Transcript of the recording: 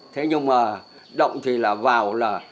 thế nhưng mà động thì là vào là